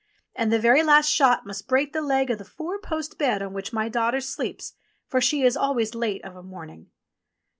And the very last shot must break the leg of the four post bed on which my daughter sleeps, for she is always late of a morning